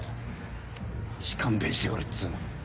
マジ勘弁してくれっつうの！